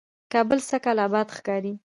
کابل سږکال آباد ښکاري،